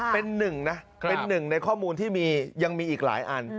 เป็นหนึ่งนะเป็นหนึ่งในข้อมูลที่ยังมีอีกหลายอัน